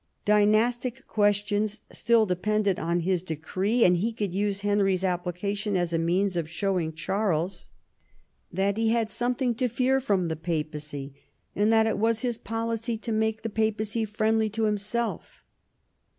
Djoiastic questions still depended on his decree, and he could use Henry's application as a means of showing Charles that he had something to fear from the Papacy, and that it was his policy to make the Papacy friendly to himself.